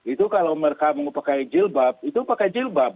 itu kalau mereka mau pakai jilbab itu pakai jilbab